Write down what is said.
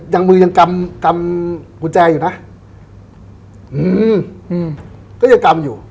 ยังมือยังกำกำกุญแจอยู่นะอืมอืมก็ยังกำอยู่